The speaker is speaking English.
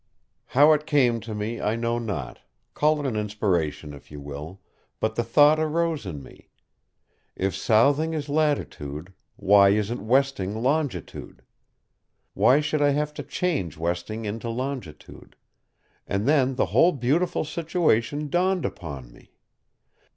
How it came to me I know not—call it an inspiration if you will; but the thought arose in me: if southing is latitude, why isn't westing longitude? Why should I have to change westing into longitude? And then the whole beautiful situation dawned upon me.